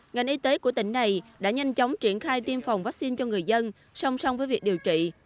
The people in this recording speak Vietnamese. ngành y tế của tỉnh này đã nhanh chóng triển khai tiêm phòng vaccine cho người dân song song với việc điều trị